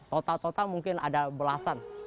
total total mungkin ada belasan